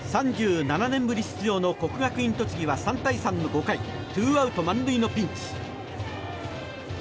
３７年ぶり出場の国学院栃木は３対３の５回２アウト満塁のピンチ。